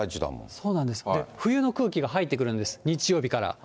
それで冬の空気が入ってくるんです、日曜日から。